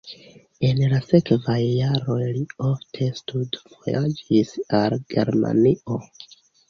En la sekvaj jaroj li ofte studvojaĝis al Germanio.